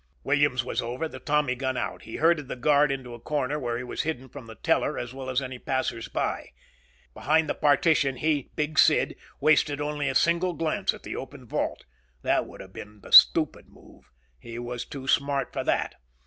Williams was over, the Tommy gun out. Had herded the guard into a corner where he was hidden from the teller as well as any passersby. Behind the partition, he, Big Sid, wasted only a single glance at the open vault. That would have been the stupid move. He was too smart for that.